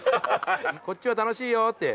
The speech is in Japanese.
こっちは楽しいよって。